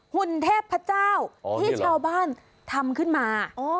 หุ่นเทพเจ้าที่ชาวบ้านทำขึ้นมา